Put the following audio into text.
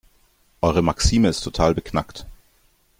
Eure Maxime ist total beknackt.